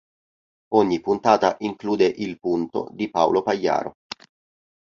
Ogni puntata include "Il Punto" di Paolo Pagliaro.